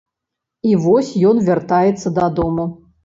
І вось ён вяртаецца дадому.